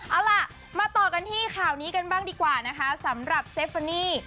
เอาล่ะมาต่อกันที่ข่าวนี้กันบ้างดีกว่านะคะสำหรับเซฟานี่